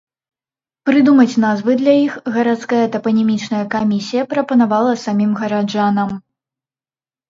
Прыдумаць назвы для іх гарадская тапанімічная камісія прапанавала самім гараджанам.